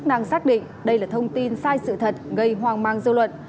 đây là thông tin sai sự thật gây hoang mang dư luận